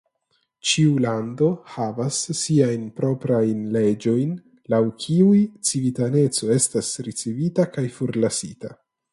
Ĉiu lando havas siajn proprajn leĝojn laŭ kiuj civitaneco estas ricevita kaj forlasita.